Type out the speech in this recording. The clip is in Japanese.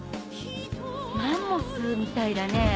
マンモスみたいだね。